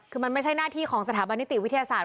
คือมันไม่ใช่หน้าที่ของสถาบันนิติวิทยาศาสต